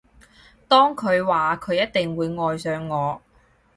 當佢話佢一定會愛上我